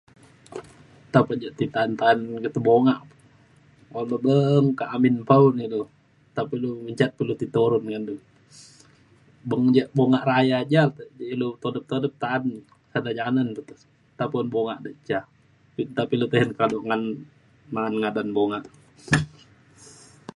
tak pa ji ta'an urip ka bo'ngak un ilu beng kak amin bau' na ilu ta pe ilu menjat pa ilu ti turun ngan dulue beng ja bo'ngak raya ya ja pa ilu turut-turut ta'en sade' ja'nen tau pa bo'ngak yak ja ta pe ilu kado ya ja ma'en ngadan bo'ngak